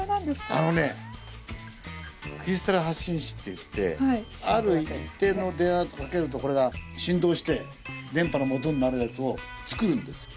あのね「クリスタル発振子」といってある一定の電圧かけるとこれが振動して電波のもとになるやつを作るんですよ。